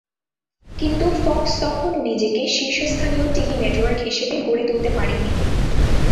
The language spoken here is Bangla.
কিন্তু ফক্স তখনো নিজেকে শীর্ষস্থানীয় টিভি নেটওয়ার্ক হিসেবে গড়ে তুলতে পারেনি।